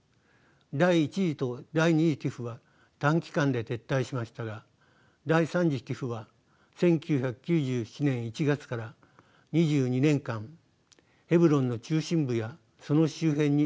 第１次と第２次ＴＩＰＨは短期間で撤退しましたが第３次ＴＩＰＨは１９９７年１月から２２年間ヘブロンの中心部やその周辺に展開しました。